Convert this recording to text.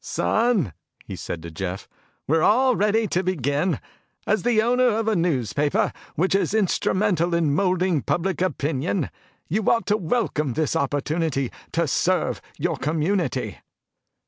"Son," he said to Jeff, "we're all ready to begin. As the owner of a newspaper which is instrumental in molding public opinion, you ought to welcome this opportunity to serve your community."